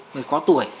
người có tuổi